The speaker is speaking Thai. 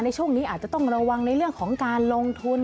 ในช่วงนี้อาจจะต้องระวังในเรื่องของการลงทุน